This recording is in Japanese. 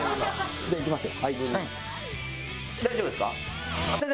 じゃあいきますよ。